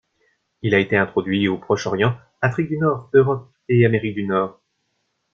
Il a été introduit au Proche-Orient, Afrique du Nord, Europe et Amérique du Nord.